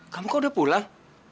kamu kok udah pulang